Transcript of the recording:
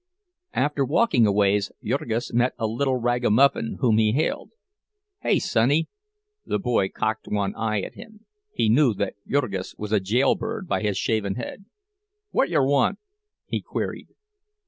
After walking a ways, Jurgis met a little ragamuffin whom he hailed: "Hey, sonny!" The boy cocked one eye at him—he knew that Jurgis was a "jailbird" by his shaven head. "Wot yer want?" he queried.